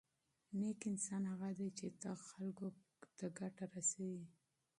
نېک انسان هغه دی چې خلکو ته ګټه رسوي.